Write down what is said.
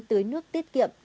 tưới nước tiết kiệm